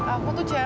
aku tuh cemanya